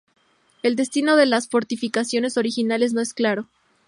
El destino de las fortificaciones originales no es claro.